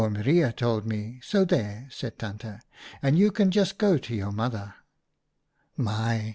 * Oom Reijer told me, so there !' said Tante. ' And you can just go to your mother !'" My